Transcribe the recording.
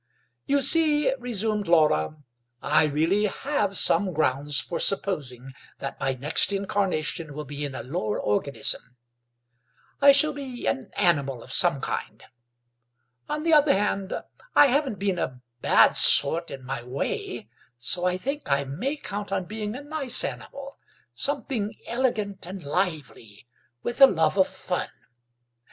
"You see," resumed Laura, "I really have some grounds for supposing that my next incarnation will be in a lower organism. I shall be an animal of some kind. On the other hand, I haven't been a bad sort in my way, so I think I may count on being a nice animal, something elegant and lively, with a love of fun.